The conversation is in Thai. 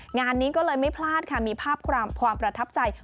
งานนี้ก็เลยไม่พลาดค่ะมีภาพความประทับใจ